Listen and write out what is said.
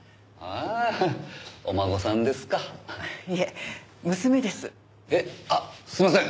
あっすいません！